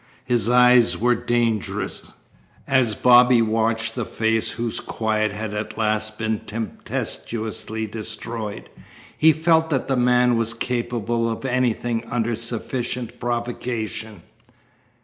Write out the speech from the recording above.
His eyes were dangerous. As Bobby watched the face whose quiet had at last been tempestuously destroyed, he felt that the man was capable of anything under sufficient provocation.